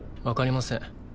わかりません。